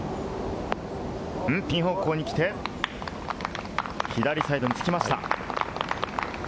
ピン方向に来て、左サイドにつきました。